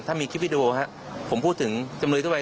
ถ้ามีคลิปวิดีโอครับผมพูดถึงจำเลยทั่วไป